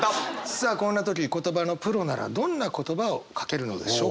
さあこんな時言葉のプロならどんな言葉をかけるのでしょうか？